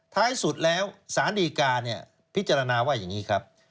ท้ายสุดแล้วสารดีกาเนี่ยพิจารณาว่าอย่างนี้ครับ